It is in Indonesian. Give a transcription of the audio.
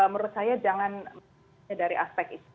menurut saya jangan dari aspek itu